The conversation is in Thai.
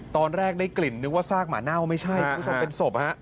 ตอนแรกได้กลิ่นนึกว่าซากหมาเน่าไม่ใช่คุณผู้ชมเป็นศพฮะ